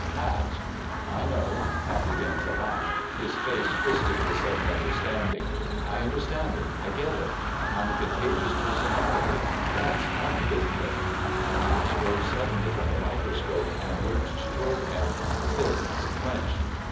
_ "Pat " "I know." Pat began to laugh, his face twisted with sudden understanding. "I understand. I get it. I'm a contagious personality. That's funny, isn't it?" Max rose suddenly from the microscope and lurched toward him, fists clenched.